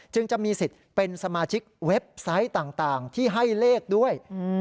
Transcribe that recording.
จะมีสิทธิ์เป็นสมาชิกเว็บไซต์ต่างที่ให้เลขด้วย